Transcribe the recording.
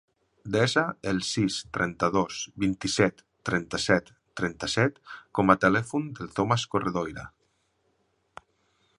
Desa el sis, trenta-dos, vint-i-set, trenta-set, trenta-set com a telèfon del Thomas Corredoira.